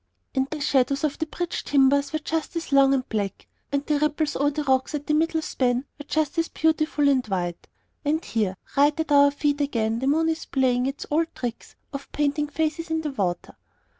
And the shadows of the bridge timbers are just as long and black; and the ripples over the rocks at the middle span are just as beautiful and white. And here, right at our feet again, the moon is playing its old tricks of painting faces in the water....